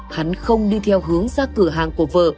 hắn không đi theo hướng ra cửa hàng của vợ